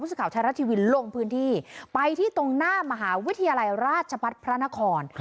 สักข่าวไทยรัฐทีวีลงพื้นที่ไปที่ตรงหน้ามหาวิทยาลัยราชพัฒน์พระนคร